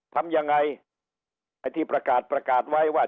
ทำยังไงไอ้ที่ประกาศประกาศไว้ว่า